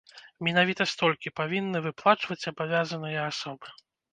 Менавіта столькі павінны выплачваць абавязаныя асобы.